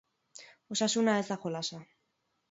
Osasuna ez da jolasa.